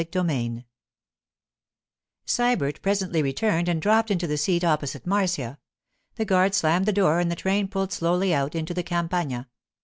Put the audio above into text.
CHAPTER X SYBERT presently returned and dropped into the seat opposite Marcia; the guard slammed the door and the train pulled slowly out into the Campagna.